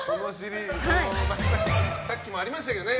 さっきもありましたけどね。